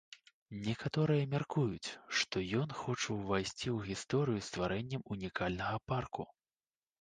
Некаторыя мяркуюць, што ён хоча ўвайсці ў гісторыю стварэннем унікальнага парку.